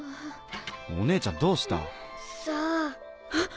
お姉ちゃんどうした？さあ？あっ！